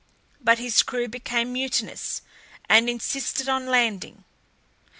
But his crew became mutinous, and insisted on landing.